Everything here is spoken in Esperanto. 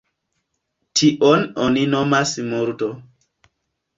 Tion oni nomas murdo.